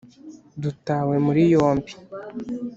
dutawe muri yombi